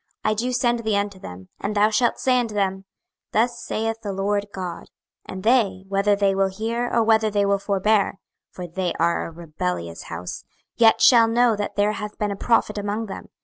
I do send thee unto them; and thou shalt say unto them, Thus saith the Lord GOD. 26:002:005 And they, whether they will hear, or whether they will forbear, (for they are a rebellious house,) yet shall know that there hath been a prophet among them.